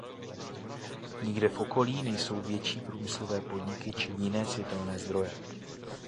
Nikde v okolí nejsou větší průmyslové podniky či jiné světelné zdroje.